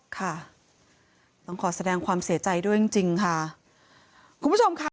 ค่ะต้องขอแสดงความเสียใจด้วยจริงค่ะ